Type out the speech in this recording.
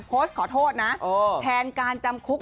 โพสต์ขอโทษนะแทนการจำคุก